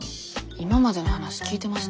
今までの話聞いてました？